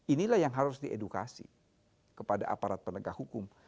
inilah yang harus diedukasi kepada aparat penegak hukum